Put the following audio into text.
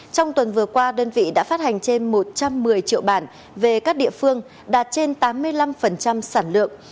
trong tuần vừa qua đơn vị đã phát hành trên một trăm một mươi triệu bản về các địa phương đạt trên tám mươi năm sản lượng